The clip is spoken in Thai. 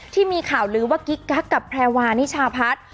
ที่มีข่าวลือว่ากิ๊กกักกับแพรวานิชาพัฒน์